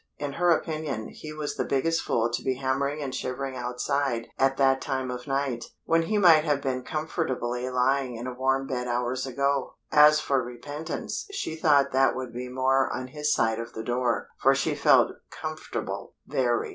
In her opinion, he was the biggest fool to be hammering and shivering outside at that time of night, when he might have been comfortably lying in a warm bed hours ago. As for repentance she thought that would be more on his side of the door, for she felt comfortable very.